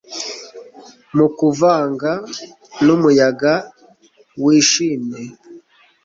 mu kuvanga n'umuyaga wishimye